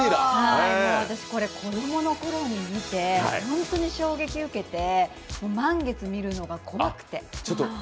これ子供のころに見て、本当に衝撃を受けて、満月見るのが怖くて。